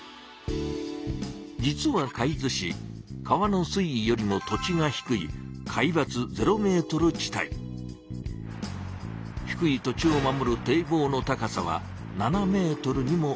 実は海津市川の水位よりも土地が低い低い土地を守る堤防の高さは７ｍにもおよびます。